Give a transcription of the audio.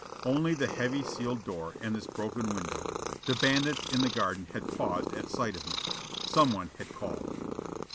Only the heavy sealed door, and this broken window. The bandits in the garden had paused at sight of me. Someone had called.